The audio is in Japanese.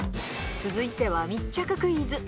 続いては密着クイズ。